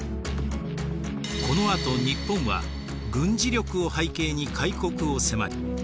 このあと日本は軍事力を背景に開国を迫り